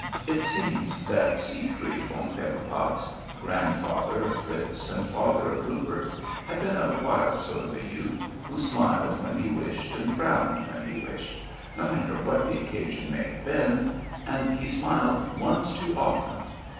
It seems that Siegfried von Pepperpotz, grandfather of Fritz and father of Rupert, had been a wild sort of a youth, who smiled when he wished and frowned when he wished, no matter what the occasion may have been, and he smiled once too often.